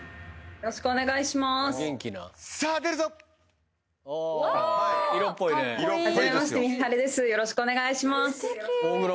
よろしくお願いします